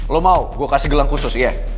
lo mau gue kasih gelang khusus iya